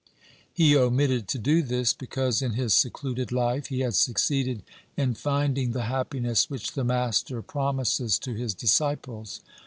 He omitted to do this, because in his secluded life he had succeeded in finding the happiness which the master promises to his disciples.